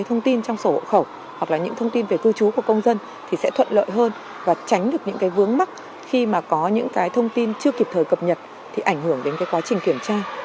hoặc là những thông tin về cư trú của công dân thì sẽ thuận lợi hơn và tránh được những cái vướng mắc khi mà có những cái thông tin chưa kịp thời cập nhật thì ảnh hưởng đến cái quá trình kiểm tra